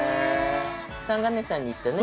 三ヶ根山に行ってね。